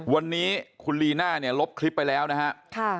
วันนี้คุณลีน่าเนี่ยลบคลิปไปแล้วนะฮะ